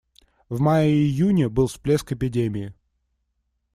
В мае и июне был всплеск эпидемии.